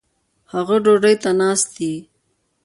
هغه ډوډي ته ناست دي